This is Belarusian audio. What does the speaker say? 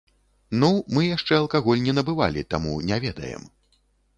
Ну, мы яшчэ алкаголь не набывалі, таму не ведаем.